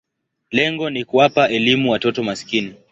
Lengo ni kuwapa elimu watoto maskini.